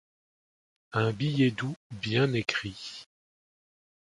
Un billet doux bien écrit ;